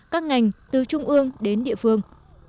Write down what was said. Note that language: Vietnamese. các ngành từ trung ương đến địa phương